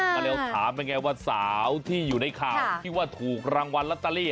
ก็เลยถามเป็นไงว่าสาวที่อยู่ในข่าวที่ว่าถูกรางวัลลอตเตอรี่